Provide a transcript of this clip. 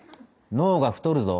脳が太るぞ。